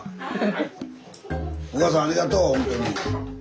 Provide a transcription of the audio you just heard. お母さんありがとうほんとに。